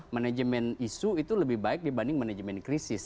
management isu itu lebih baik dibanding management krisis